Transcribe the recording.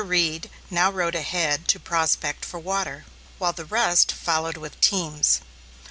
Reed now rode ahead to prospect for water, while the rest followed with the teams.